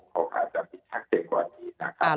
เขาอาจจะมีทักเจกกว่านี้นะครับ